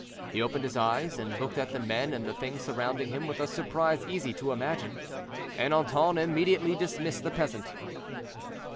He opened his eyes, and looked at the men and the things surrounding him with a surprise easy to imagine. Ernanton immediately dismissed the peasant.